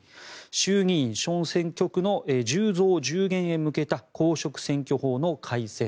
衆議院小選挙区の１０増１０減へ向けた公職選挙法の改正。